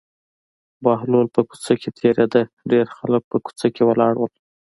بهلول په کوڅه کې تېرېده ډېر خلک په کوڅه کې ولاړ وو.